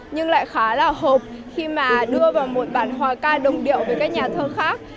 nhưng lại khá là hộp khi mà đưa vào một bản hòa ca đồng điệu với các nhà thơ khác